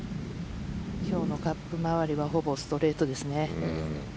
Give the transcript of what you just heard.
今日のカップ周りはほぼストレートですね。